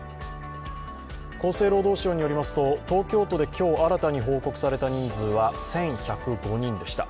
厚生労働省によりますと東京都で今日新に報告された感染者は１１０５人でした。